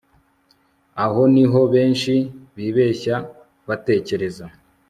Aha ni ho benshi bibeshya batekereza